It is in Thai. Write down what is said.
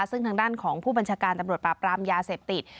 ซึ่งทางด้านของผู้บัญชาการตำรวจปราบรามยาเสพติด